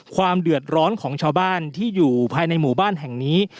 ความเดือดร้อนของชาวบ้านที่อยู่ภายในหมู่บ้านแห่งนี้